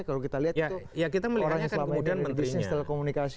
kalau kita lihat itu orang yang selama ini dari bisnis telekomunikasi